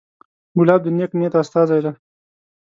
ګلاب د نیک نیت استازی دی.